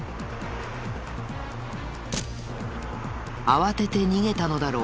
慌てて逃げたのだろう。